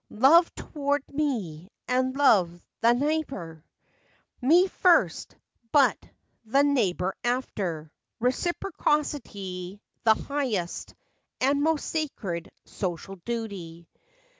Love toward me, and toward the neighbor; Me first, but the neighbor after— Reciprocity the highest, And most sacred, social duty